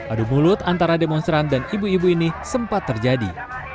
adu mulut antara demonstran dan ibu ibu ini sempat terjadi